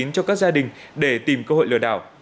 cho các gia đình để tìm cơ hội lừa đảo